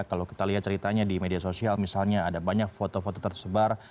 kalau kita lihat ceritanya di media sosial misalnya ada banyak foto foto tersebar